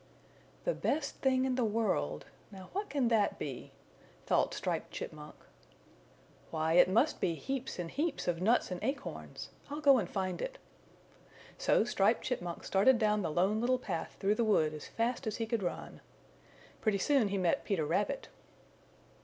"The Best Thing in the World now what can that be?" thought Striped Chipmunk. "Why, it must be heaps and heaps of nuts and acorns! I'll go and find it." So Striped Chipmunk started down the Lone Little Path through the wood as fast as he could run. Pretty soon he met Peter Rabbit.